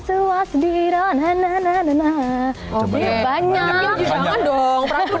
jangan dong perangku dong